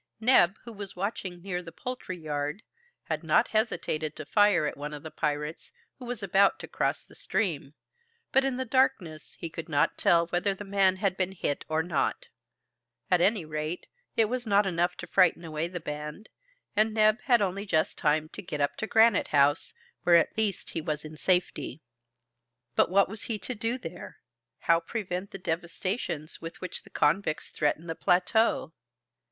Neb, who was watching near the poultry yard, had not hesitated to fire at one of the pirates, who was about to cross the stream; but in the darkness he could not tell whether the man had been hit or not. At any rate, it was not enough to frighten away the band, and Neb had only just time to get up to Granite House, where at least he was in safety. But what was he to do there? How prevent the devastations with which the convicts threatened the plateau?